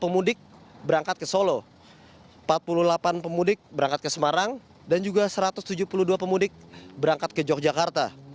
pemudik berangkat ke solo empat puluh delapan pemudik berangkat ke semarang dan juga satu ratus tujuh puluh dua pemudik berangkat ke yogyakarta